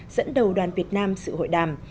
dẫn đầu đoàn việt nam sự hội đàm